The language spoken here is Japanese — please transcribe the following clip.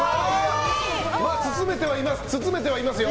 包めてはいますよ。